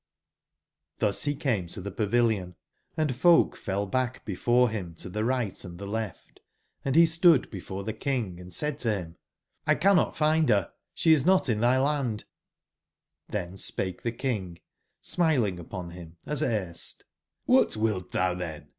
^^^ROS he came to tbe pavilion, and folk fell IP^ back before him to the right and the left, and ^^^be stood before tbe King, and said to him: ''1 cannot find her; she is not in thy land'^jj^^^ben spake the King, smiling upon him, as erst: ''<£lbat wilt thou then?